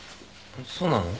そうなの。